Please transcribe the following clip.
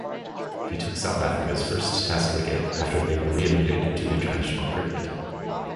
He took South Africa's first Test wicket after they were re-admitted to international cricket.